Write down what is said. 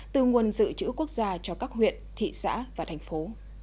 từ nguồn dự trữ quốc gia cho các huyện thị xã và thành phố